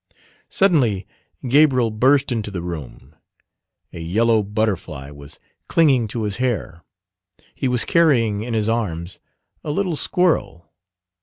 Suddenly Gabriel burst into the room: a yellow butterfly was clinging to his hair. He was carrying in his arms a little squirrel.